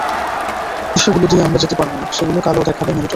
যেগুলো দিয়ে আমরা যেতে পারব না সেগুলো কালো দেখাবে মনিটরে।